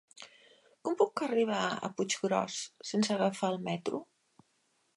Com puc arribar a Puiggròs sense agafar el metro?